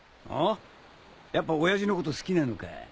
ん？やっぱ親父のこと好きなのか？